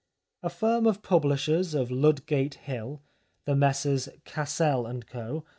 A firm of publishers of Ludgate Hill — the Messrs Cassell & Co.